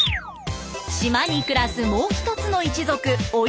島に暮らすもう一つの一族オリタ家。